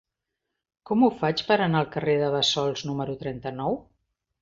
Com ho faig per anar al carrer de Bassols número trenta-nou?